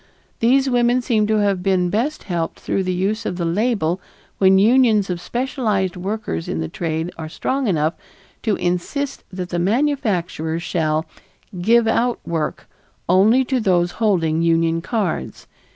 These women seem to have been best helped through the use of the label when unions of specialized workers in the trade are strong enough to insist that the manufacturers shall "give out work" only to those holding union cards.